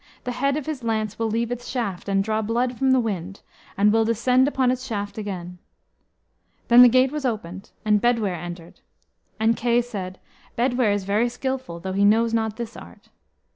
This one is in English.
The head of his lance will leave its shaft, and draw blood from the wind, and will descend upon its shaft again." Then the gate was opened, and Bedwyr entered. And Kay said, "Bedwyr is very skilful, though he knows not this art."